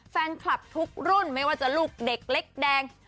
แฟนคลับทุกรุ่นไม่ว่าจะลูกเด็กเล็กแดง